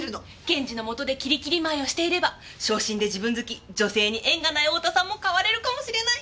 検事のもとできりきり舞いをしていれば小心で自分好き女性に縁がない太田さんも変われるかもしれない。